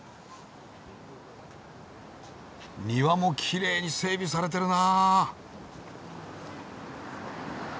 庭もきれいに整備されてるな。